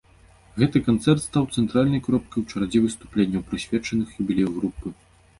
Гэты канцэрт стаў цэнтральнай кропкай у чарадзе выступленняў, прысвечаных юбілею групы.